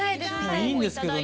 いいんですけどね